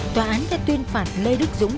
tòa án đã tuyên phạt lê đức dũng